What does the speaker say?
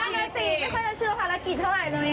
ถ้าเขาใบ้ซิงไม่ค่อยจะเชื่อภารกิจเท่าไหร่เลย